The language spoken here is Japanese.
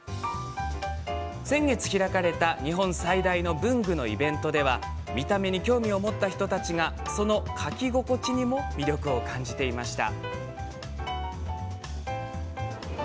先月、開かれた日本最大の文具のイベントでは見た目に興味を持った人たちがその書き心地にも魅力を感じていました。